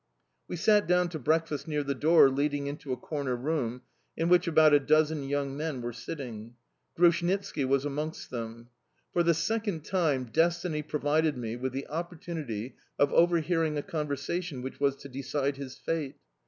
We sat down to breakfast near the door leading into a corner room in which about a dozen young men were sitting. Grushnitski was amongst them. For the second time destiny provided me with the opportunity of overhearing a conversation which was to decide his fate.